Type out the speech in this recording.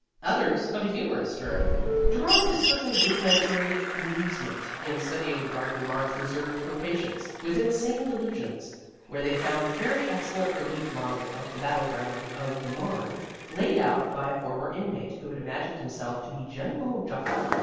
Others, of a humorous turn, derived a certain rudimentary amusement in studying the garden marked Reserved for Patients with Insane Delusions, where they found a very excellent relief model of the battleground of the Marne, laid out by a former inmate who had imagined himself to be General Joffre.